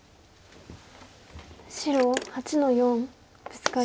白８の四ブツカリ。